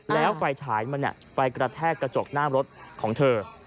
แล้วไฟฉายมันไปกระแทกกระจกหน้ารถของเธอ